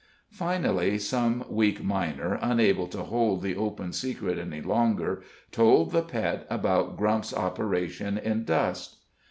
Finally, some weak miner, unable to hold the open secret any longer, told the Pet about Grump's operation in dust.